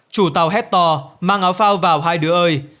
chủ tàu hét to mang áo phào vào hai đứa ơi